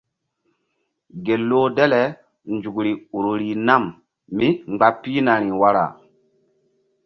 Gel loh dale nzukri rih nam mí mgba pihnari wara.